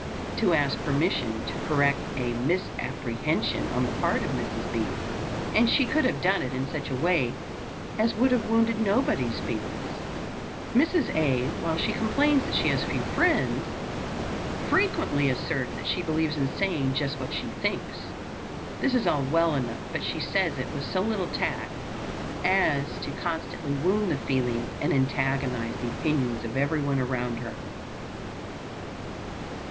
to ask permission to correct a misapprehension on the part of Mrs. B., and she could have done it in such a way as would have wounded nobody's feelings. Mrs. A., while she complains that she has few friends, frequently asserts that she believes in saying just what she thinks. This is all well enough, but she says it with so little tact as to constantly wound the feelings and antagonize the opinions of everyone around her.